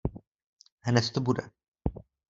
Hned to bude.